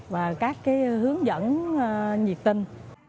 và các hướng dẫn nhiệt tinh